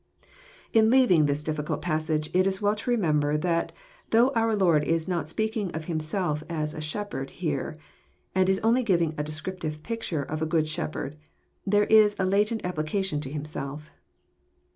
In leaving this difficult passage, it is well to remember that though our Lord is not speaking of Himself as a Shepherd here, and is only giving a descriptive picture of a good shepherd, l^ere is a latent application to Himself.